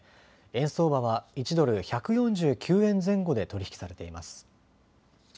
円相場は１ドル１４９円前後で取り引きされています。